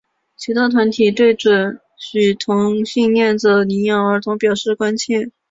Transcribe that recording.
其他团体对准许同性恋者领养儿童表示关切。